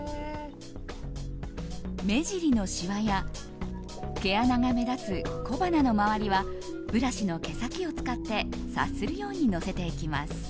目尻のしわや毛穴が目立つ小鼻の周りはブラシの毛先を使ってさするようにのせていきます。